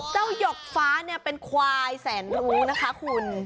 หยกฟ้าเนี่ยเป็นควายแสนรู้นะคะคุณ